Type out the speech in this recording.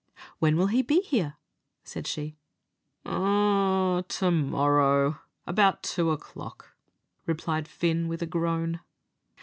"When will he be here?" said she. "To morrow, about two o'clock," replied Fin, with a groan.